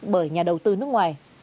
bởi nhà đầu tư nước ngoài